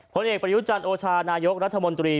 ผลเอกประยุจันทร์โอชานายกรัฐมนตรี